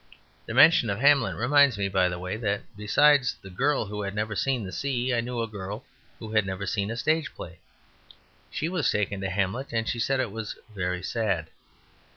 The mention of "Hamlet" reminds me, by the way, that besides the girl who had never seen the sea, I knew a girl who had never seen a stage play. She was taken to "Hamlet," and she said it was very sad.